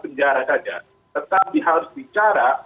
penjara saja tetapi harus bicara